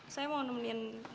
saya mau nemeninmu